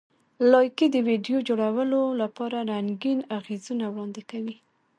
لایکي د ویډیو جوړولو لپاره رنګین اغېزونه وړاندې کوي.